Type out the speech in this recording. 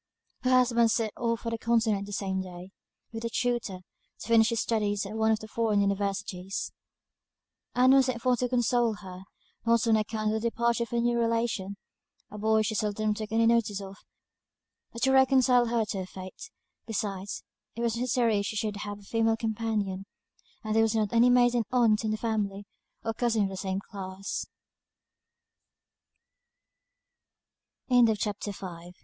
Her husband set off for the continent the same day, with a tutor, to finish his studies at one of the foreign universities. Ann was sent for to console her, not on account of the departure of her new relation, a boy she seldom took any notice of, but to reconcile her to her fate; besides, it was necessary she should have a female companion, and there was not any maiden aunt in the family, or cousin of the same